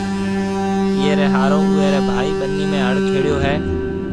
ايئي ريَ هارو اُوئي ريَ ڀائي ٻنِي ۾ هڙ کيڙيو هيَ۔